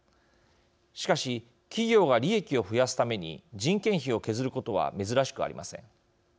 しかし、企業が利益を増やすために人件費を削ることは珍しくありません。